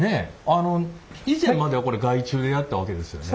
あの以前まではこれ外注でやったわけですよね？